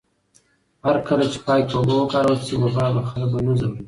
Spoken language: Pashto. هرکله چې پاکې اوبه وکارول شي، وبا به خلک ونه ځوروي.